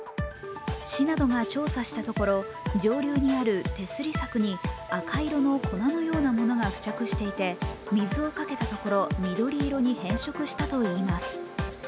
市などが調査したところ上流にある手すり柵に赤色の粉のようなものが付着していて水をかけたところ緑色に変色したといいます。